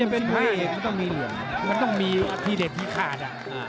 พี่เด็กพี่คาด